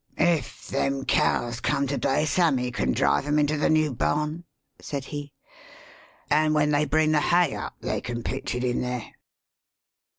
]"// them cows come to day, Sammy can drive 'em into the new barn," [said he]; "an* when they bring the hay up, they can pitch it in there."